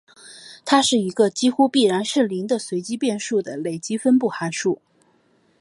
它是一个几乎必然是零的随机变数的累积分布函数。